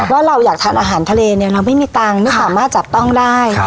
ว่าเราอยากทานอาหารทะเลเนี่ยเราไม่มีตังค์ไม่สามารถจับต้องได้